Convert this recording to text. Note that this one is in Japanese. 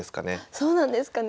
そうなんですかね。